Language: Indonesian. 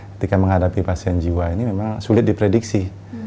ketika menghadapi pasien jiwa ini memang sulit diprediksi